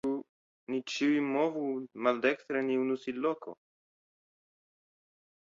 Ni ĉiuj movu nin maldekstren je unu sidloko?